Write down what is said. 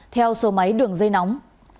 theo số máy đường dây nóng